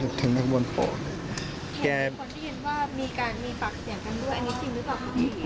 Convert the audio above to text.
เห็นคนได้ยินว่ามีการมีปากเสียงกันด้วยอันนี้จริงหรือเปล่าคะ